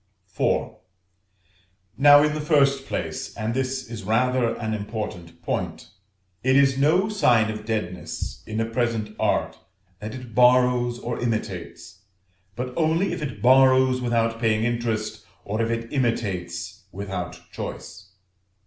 IV. Now, in the first place and this is rather an important point it is no sign of deadness in a present art that it borrows or imitates, but only if it borrows without paying interest, or if it imitates without choice.